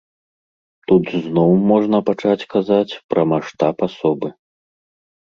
Тут зноў можна пачаць казаць пра маштаб асобы.